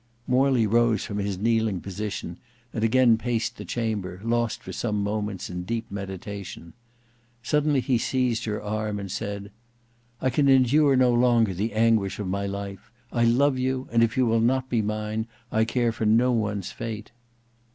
Morley rose from his kneeling position, and again paced the chamber, lost for some moments in deep meditation. Suddenly he seized her arm, and said, "I can endure no longer the anguish of my life: I love you, and if you will not be mine, I care for no one's fate."